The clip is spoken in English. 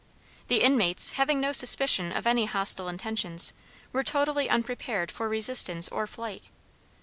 The inmates, having no suspicion of any hostile intentions, were totally unprepared for resistance or flight.